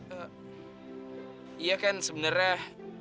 eh iya ken sebenernya